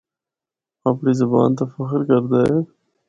آپڑی زبان تے فخر کردا اے۔